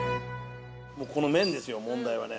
この麺ですよ問題はね。